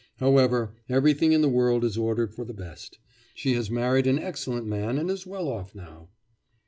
However, everything in the world is ordered for the best. She has married an excellent man, and is well off now.